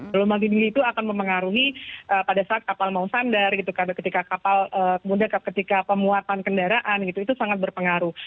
gelombang tinggi itu akan mempengaruhi pada saat kapal mau sandar ketika kapal kemudian ketika pemuatan kendaraan itu sangat berpengaruh